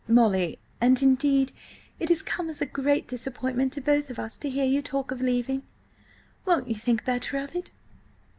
"Molly—" "And, indeed, it has come as a great disappointment to both of us to hear you talk of leaving. Won't you think better of it?"